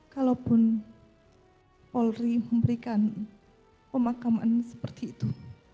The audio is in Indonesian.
kalaupun polri memberikan pemakaman seperti itu